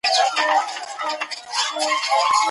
وخت په درې او پنځه دقيقو دی.